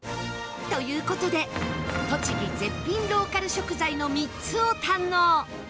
という事で栃木絶品ローカル食材の３つを堪能！